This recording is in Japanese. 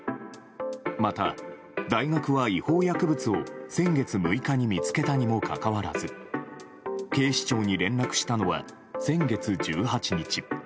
また、大学は違法薬物を先月６日に見つけたにもかかわらず警視庁に連絡したのは先月１８日。